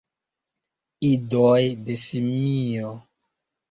Idoj de simio!